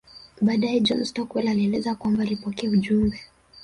Baadae John Stockwell alieleza kwamba alipokea ujumbe